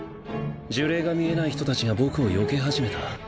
呪霊が見えない人たちが僕をよけはじめた。